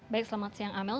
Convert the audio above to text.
baik selamat siang amel